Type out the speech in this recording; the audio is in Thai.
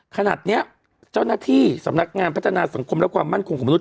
ขณะนี้เจ้าหน้าที่สำนักงานพัฒนาสังคมและความมั่นคงของมนุษ